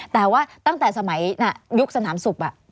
แต่ว่าตั้งแต่สมัยยุคสนามสุบ